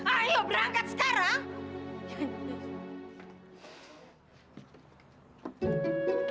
ayo berangkat sekarang